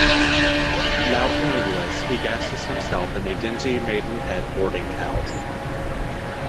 Now penniless, he gasses himself in a dingy Maidenhead boarding house.